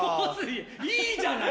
いいじゃない！